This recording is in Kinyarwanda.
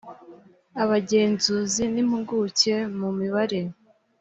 abagenzuzi n impuguke mu mibare